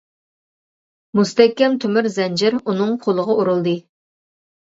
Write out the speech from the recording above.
مۇستەھكەم تۆمۈر زەنجىر ئۇنىڭ قولىغا ئۇرۇلدى.